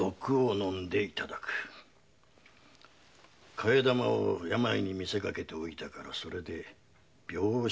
替え玉を病に見せかけておいたから「病死」と届ければよい。